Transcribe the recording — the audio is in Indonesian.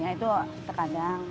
ya itu terkadang